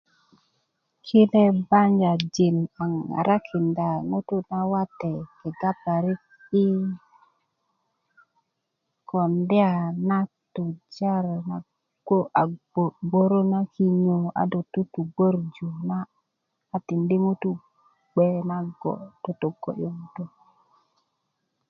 kine bajanjin naŋ ŋarakida ŋutu nawate kega parik i kondya na tojarú na ko a gbögbörö na kinyó a do tuutugbäju na a tindi ŋutu gbe nago togo'yu ŋutú